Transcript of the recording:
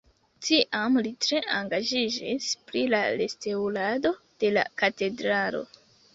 Tiam li tre engaĝiĝis pri la restaŭrado de la katedralo.